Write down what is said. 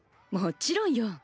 もちろんよ。